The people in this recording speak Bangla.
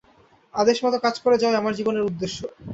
আদেশমত কাজ করে যাওয়াই আমার জীবনের উদ্দেশ্য।